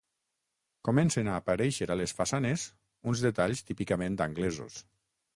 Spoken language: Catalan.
Comencen a aparèixer a les façanes uns detalls típicament anglesos.